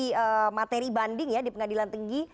ataupun menghadapi materi banding ya di pengadilan tinggi